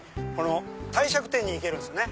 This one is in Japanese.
帝釈天に行けるんですよね。